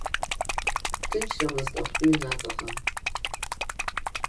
Ҭынчрамызт аӷәтәы ҩны аҵаҟа.